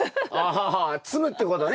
あ摘むってことね。